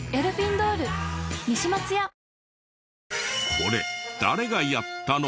これ誰がやったの？